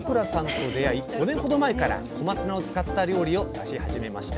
５年ほど前から小松菜を使った料理を出し始めました